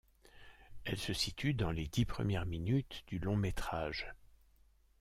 Elle se situe dans les dix premières minutes du long-métrage.